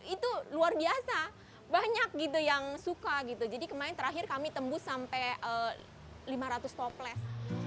itu luar biasa banyak gitu yang suka gitu jadi kemarin terakhir kami tembus sampai lima ratus toples